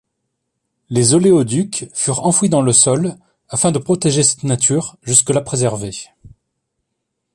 Les oléoducs furent enfouis dans le sol afin de protéger cette nature jusque-là préservée.